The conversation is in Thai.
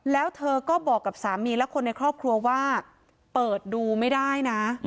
แล้วเธอก็บอกกับสามีและคนในครอบครัวว่าเปิดดูไม่ได้นะ